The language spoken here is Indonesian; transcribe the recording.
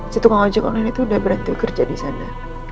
si tukang ojek online itu sudah berhenti kerja di sana